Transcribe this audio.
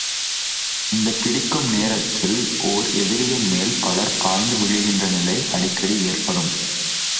இந்த பிடிக்கும் நேரத்தில், ஒர் எதிரியின் மேல் பலர் பாய்ந்து விழுகின்ற நிலை அடிக்கடி ஏற்படும்.